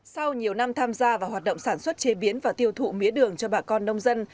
sau nhiều năm tham gia vào hoạt động sản xuất chế biến và tiêu thụ mía đường cho bà con nông dân